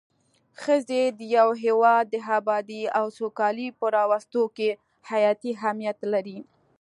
ښځی د يو هيواد د ابادي او سوکالي په راوستو کي حياتي اهميت لري